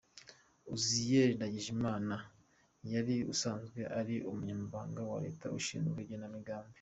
Uzziel Ndagijimana yari asanzwe ari Umunyamabanga wa Leta ushinzwe Igenamigambi.